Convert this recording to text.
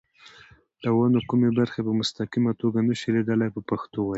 د ونو کومې برخې په مستقیمه توګه نشو لیدلای په پښتو وینا.